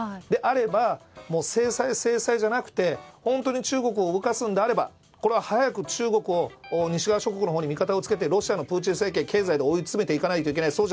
であれば制裁、制裁じゃなくて本当に中国を動かすのであれば早く中国を西側諸国のほうに味方につけてロシアのプーチン政権を経済で追い詰めていかないといけない。